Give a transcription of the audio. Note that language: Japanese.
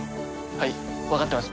はい分かってます。